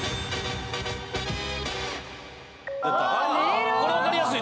あっこれ分かりやすい！